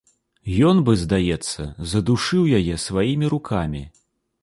Ён бы, здаецца, задушыў яе сваімі рукамі.